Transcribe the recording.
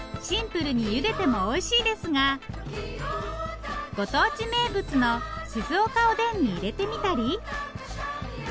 シンプルにゆでてもおいしいですがご当地名物の静岡おでんに入れてみたり。